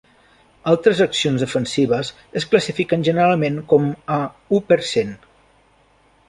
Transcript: Altres accions defensives es classifiquen generalment com a "u per cent".